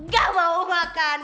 gak mau makan